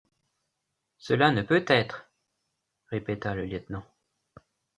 Cela ne peut être? répéta le lieutenant.